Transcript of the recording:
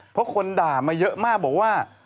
เพราะคนด่ามาเยอะมากบอกว่า